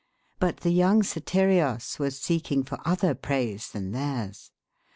But the young Sotirios was seeking for other praise than theirs.